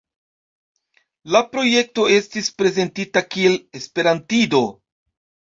La projekto estis prezentita kiel esperantido.